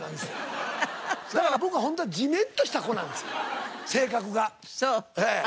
だから僕はホントはジメッとした子なんです性格が。